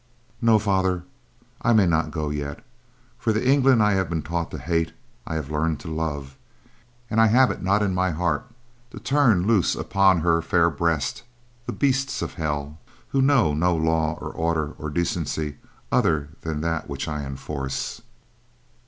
"No, Father, I may not go yet, for the England I have been taught to hate, I have learned to love, and I have it not in my heart to turn loose upon her fair breast the beasts of hell who know no law or order or decency other than that which I enforce."